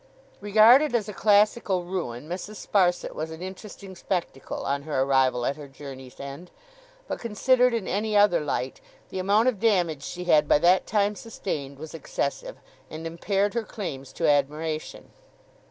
Regarded as a classical ruin, Mrs. Sparsit was an interesting spectacle on her arrival at her journey's end; but considered in any other light, the amount of damage she had by that time sustained was excessive, and impaired her claims to admiration.